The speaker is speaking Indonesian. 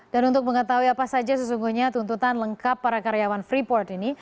dan untuk mengetahui apa saja sesungguhnya tuntutan lengkap para karyawan freeport ini